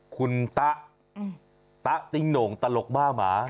คุณตะตะติ้งโหน่งตลกบ้าหมา